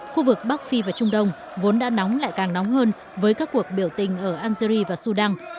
khu vực bắc phi và trung đông vốn đã nóng lại càng nóng hơn với các cuộc biểu tình ở algeria và sudan